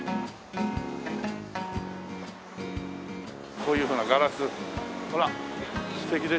こういうふうなガラスほら素敵でしょう？